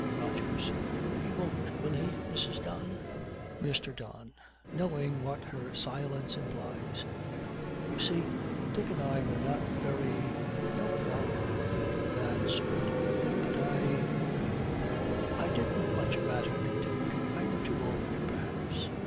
ROGERS. 'He won't. Will he, Mrs. Don?' MR. DON, knowing what her silence implies, 'You see, Dick and I were not very no quarrel or anything of that sort but I, I didn't much matter to Dick. I'm too old, perhaps.'